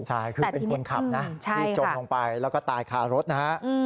ใช่คือเป็นคนขับนะที่จมลงไปแล้วก็ตายคารถนะฮะ